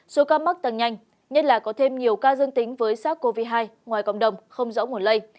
số ca mắc tăng nhanh nhất là có thêm nhiều ca dương tính với sars cov hai ngoài cộng đồng không rõ nguồn lây